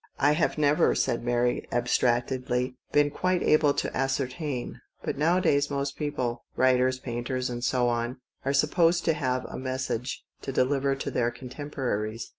" I have never," said Mary abstractedly, ' "been quite able to ascertain. But nowa : days most people writers, painters, and so ' on — are supposed to have a Message to deliver to their contemporaries.